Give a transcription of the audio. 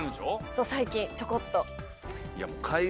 そう最近ちょこっと。